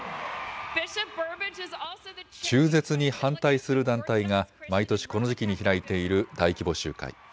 中絶に反対する団体が毎年この時期に開いている大規模集会。